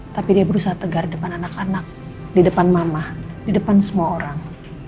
tapi dia berusaha tegar di depan anak anak di depan mama di depan semua orang